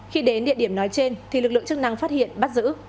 khi đến địa điểm nói trên thì lực lượng chức năng phát hiện bắt giữ